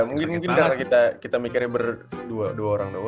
mungkin kita mikirnya berdua orang doang sih